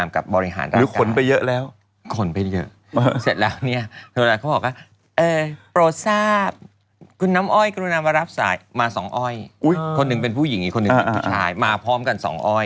คนหนึ่งเป็นผู้หญิงอีกคนหนึ่งเป็นผู้ชายมาพร้อมกัน๒อ้อย